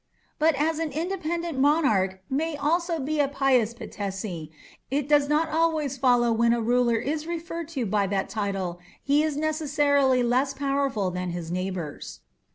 But as an independent monarch may also be a pious Patesi, it does not always follow when a ruler is referred to by that title he is necessarily less powerful than his neighbours.